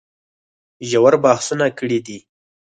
ژور بحثونه کړي دي